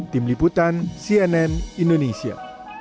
tim liputan cnn indonesia